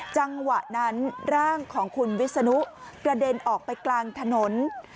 จังหวะนั้นร่างของคุณวิศนุกระเด็นออกไปกลางถนน